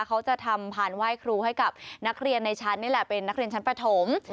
เขาจะทำพานไหว้ครูให้กับนักเรียนในชั้นนี่แหละเป็นนักเรียนชั้นปฐม